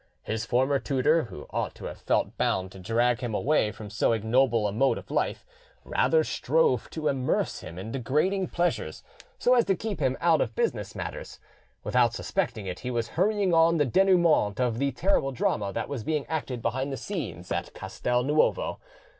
His former tutor, who ought to have felt bound to drag him away from so ignoble a mode of life, rather strove to immerse him in degrading pleasures, so as to keep him out of business matters; without suspecting it, he was hurrying on the denouement of the terrible drama that was being acted behind the scenes at Castel Nuovo.